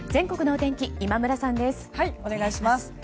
お願いします。